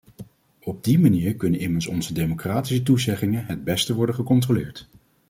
Op die manier kunnen immers onze democratische toezeggingen het beste worden gecontroleerd.